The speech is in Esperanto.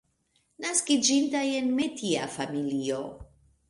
Naskiĝinta en metia familio.